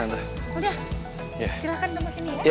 ya udah silahkan teman sini ya